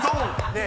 ねえ